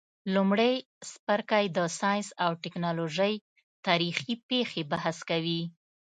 لمړی څپرکی د ساینس او تکنالوژۍ تاریخي پیښي بحث کوي.